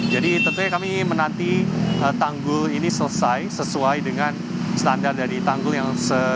jadi tentunya kami menanti tanggul ini selesai sesuai dengan standar dari tanggul yang selesai